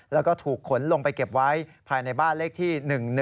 แล้วก็ถูกขนลงไปเก็บไว้ภายในบ้านเลขที่๑๑